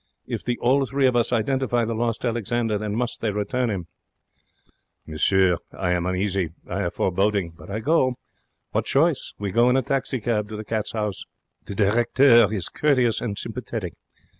If the all three of us identify the lost Alexander, then must they return 'im.' Monsieur, I am uneasy. I have foreboding. But I go. What choice? We go in a taxi cab to the Cats' House. The directeur is courteous and sympathetic.